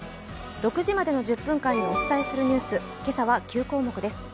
６時までの１０分間にお伝えするニュース、今朝は９項目です。